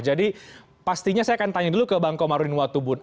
jadi pastinya saya akan tanya dulu ke bang komar udin watubun